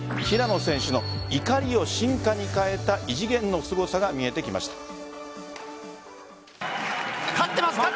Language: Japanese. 平野選手の怒りを進化に変えた異次元のすごさが見えてきました。